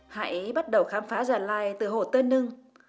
hãy bắt đầu khám phá gia lai từ hồ tây ninh